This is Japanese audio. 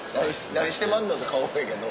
何してまんの？って顔やけど。